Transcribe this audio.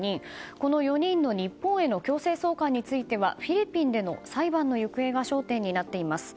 この４人の日本への強制送還についてはフィリピンでの裁判の行方が焦点になっています。